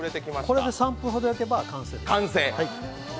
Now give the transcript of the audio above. これで３分ほど焼けば完成です。